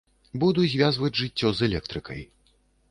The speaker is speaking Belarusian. Буду звязваць жыццё з электрыкай.